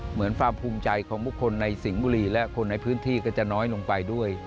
เหมือนความภูมิใจของบุคคลในสิงห์บุรีและคนในพื้นที่ก็จะน้อยลงไปด้วย